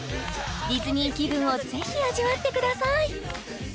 ディズニー気分をぜひ味わってください